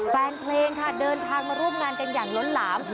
แฟนเพลงค่ะเดินทางมาร่วมงานกันอย่างล้นหลาม